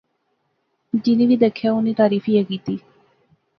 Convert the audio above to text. جینی وی دیکھیا اُنی تعریف ایہہ کیتی